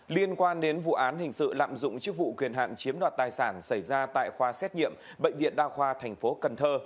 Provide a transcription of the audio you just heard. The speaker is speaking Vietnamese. liên quan đến vụ án hình sự lạm dụng chức vụ quyền hạn chiếm đoạt tài sản xảy ra tại khoa xét nghiệm bệnh viện đa khoa thành phố cần thơ